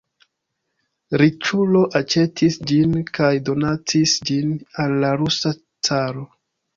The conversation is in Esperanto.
Riĉulo aĉetis ĝin kaj donacis ĝin al la rusa caro.